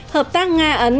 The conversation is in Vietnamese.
hợp tác nga ấn